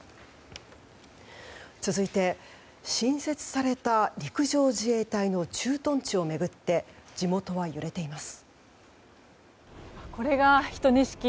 続いて、新設された陸上自衛隊の駐屯地を巡って地元は揺れています。